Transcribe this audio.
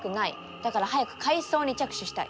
だから早く改装に着手したい。